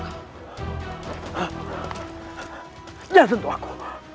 jangan sentuh aku